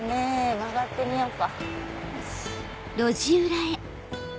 曲がってみようか。